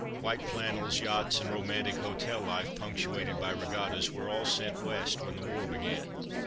White flan nels, yachts, and romantic hotel life, punc tuated by regattas, were all sent West when the war began.